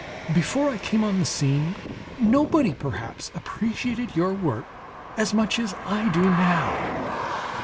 Before I came on the scene nobody, perhaps, appreciated your work as much as I do now.